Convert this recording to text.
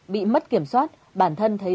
bị mất kiểm soát bản thân thấy